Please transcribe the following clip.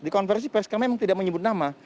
di konversi pers kami memang tidak menyebut nama